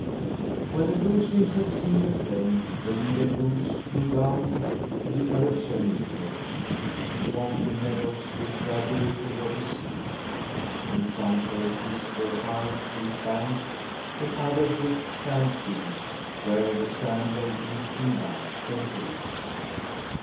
When the goslings had seen the plain, the leader goose flew down the Öresund coast. Swampy meadows sloped gradually toward the sea. In some places were high, steep banks, in others drift sand fields, where the sand lay heaped in banks and hills.